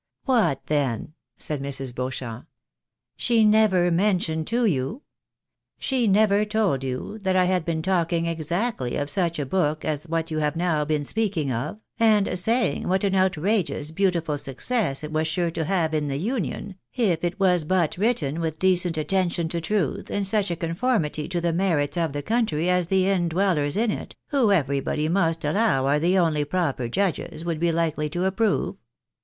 " What, then," said Mrs. Beauchamp, " she never mentioned to you — she never told you, that I had been talking exactly of such a book as what you have now been speaking of, and saying what an outrageous beautiful success it was sure to have in the Union, if it was but written with decent attention to truth, and such a con formity to the merits of the country as the in dwellers in it, who everybody must allow are the only proper judges, would be likely to apjjrove?